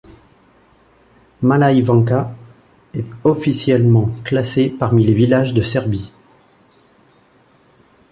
Mala Ivanča est officiellement classée parmi les villages de Serbie.